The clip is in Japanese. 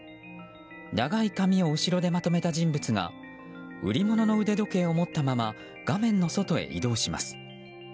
長い髪を後ろでまとめた人物が売り物の腕時計を持ったまま画面の外へ移動します。